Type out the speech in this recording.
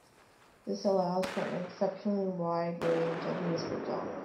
This allows for an exceptionally wide range of musical genres.